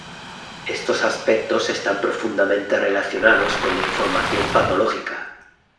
Estos aspectos están profundamente relacionados con la información patológica.